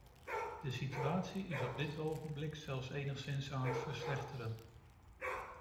De situatie is op dit ogenblik zelfs enigszins aan het verslechteren.